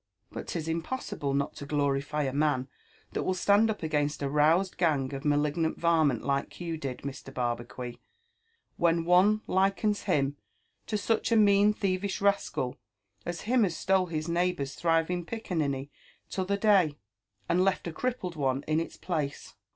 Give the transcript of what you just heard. But 'tis impossible ool to glorify a man that will stand up against a roused gang of malrgnaol varmint like you did, Mr. Barbacuit, when one likens him to such « mean thievish rascal as him as stole his neighbour's thriving piccaainy t'other day, and left a crippled one in its place.